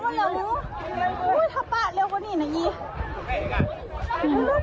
มึงปลาปังปกใจเร็ว